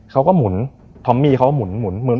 เขาก็หมุนทอมมี่เขาก็หมุนหมุนหมุน